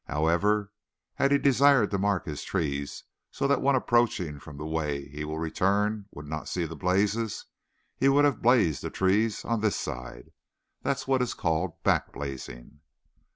"However, had he desired to mark his trees so that one approaching from the way he will return would not see the blazes, he would have blazed the trees on this side. That is what is called back blazing."